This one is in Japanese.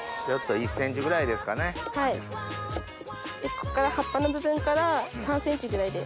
こっから葉っぱの部分から３ｃｍぐらいで。